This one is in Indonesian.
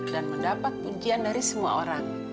dan mendapat pujian dari semua orang